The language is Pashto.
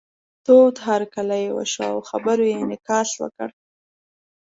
تود هرکلی یې وشو او خبرو یې انعکاس وکړ.